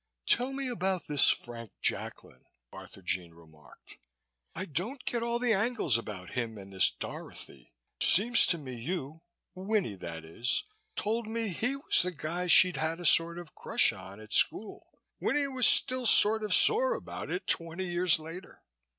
"Tell me about this Frank Jacklin," Arthurjean remarked. "I don't get all the angles about him and this Dorothy. Seems to me you Winnie, that is told me he was the guy she'd had a sort of crush on at school. Winnie was still sort of sore about it twenty years later."